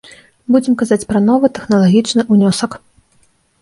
Будзем казаць пра новы тэхналагічны ўнёсак.